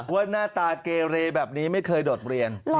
ว่าหน้าตาเกเรแบบนี้ไม่เคยโดดเรียน